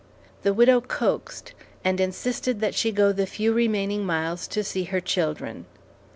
The widow coaxed and insisted that she go the few remaining miles to see her children.